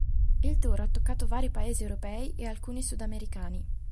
Il tour ha toccato vari paesi europei e alcuni sudamericani.